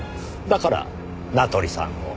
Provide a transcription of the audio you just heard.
だから名取さんを。